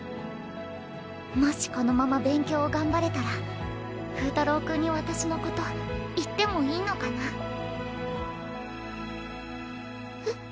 もしこのまま勉強を頑張れたら風太郎君に私のこと言ってもいいのかなえっ？